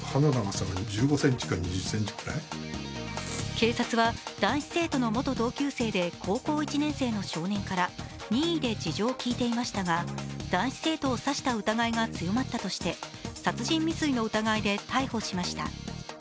警察は男子生徒の元同級生で高校１年生の少年から任意で事情を聴いていましたが男子生徒を刺した疑いが強まったとして殺人未遂の疑いで逮捕しました。